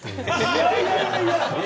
いやいやいやいや